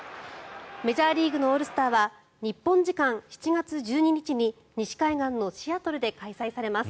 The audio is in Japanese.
メジャーリーグのオールスターは日本時間７月１２日に西海岸のシアトルで開催されます。